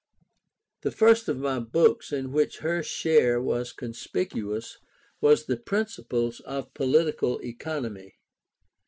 The first of my books in which her share was conspicious was the Principles of Political Economy.